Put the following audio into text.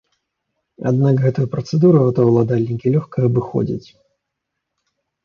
Аднак гэтую працэдуру аўтаўладальнікі лёгка абыходзяць.